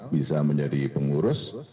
bisa menjadi pengurus